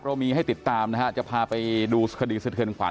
เรามีให้ติดตามนะฮะจะพาไปดูคดีสะเทือนขวั